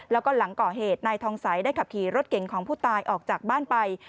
แล้วก็หลังก่อเหตุนายทองสัยได้ขับขี่รถเก่งของผู้ตายออกจากบ้านไป